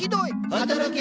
働け！